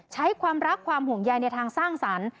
ใช้ความรักความห่วงใยในทางสร้างสรรค์